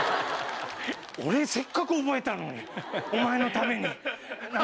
俺せっかく覚えたのにお前のために。